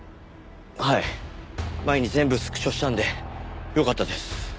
前に全部スクショしたんでよかったです。